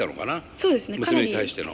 娘に対しての。